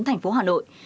thành phố hà nội